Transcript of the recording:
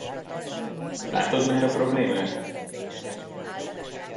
Látod már a problémát?